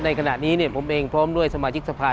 ในขณะนี้เนี่ยผมเองพร้อมด้วยสมาธิกษภาในพื้นที่